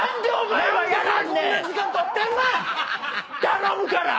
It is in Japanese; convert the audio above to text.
頼むから！